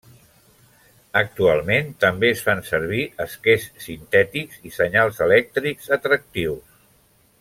Actualment també es fan servir esquers sintètics i senyals elèctrics atractius.